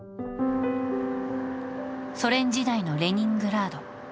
ソ連時代のレニングラード。